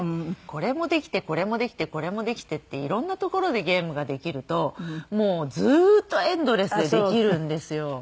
これもできてこれもできてこれもできてって色んなところでゲームができるともうずーっとエンドレスでできるんですよ。